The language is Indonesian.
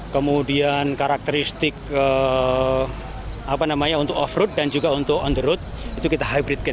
kemudian karakteristik untuk off road dan juga untuk on the road itu kita hybridkan